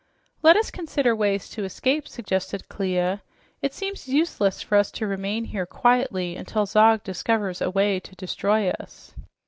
"Let us consider ways to escape," suggested Clia. "It seems useless for us to remain here quietly until Zog discovers a way to destroy us."